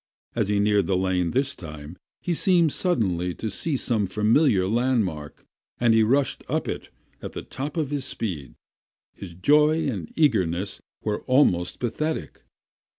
As he neared the lane this time he seemed suddenly to see some familiar landmark, and he rushed up it at the top of his speed. His joy and eagerness were almost pathetic.